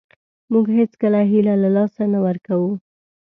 موږ هېڅکله هیله له لاسه نه ورکوو .